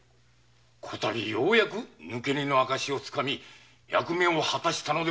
こ度ようやく抜け荷の証をつかみ役目を果たしました。